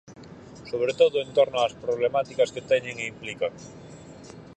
Sobre todo en torno ás problemáticas que teñen e implican.